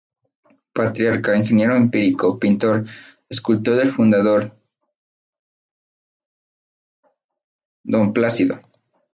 Patriarca, ingeniero empírico, pintor, escultor del fundador don Plácido.